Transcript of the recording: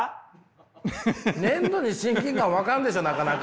粘土に親近感湧かんでしょなかなか。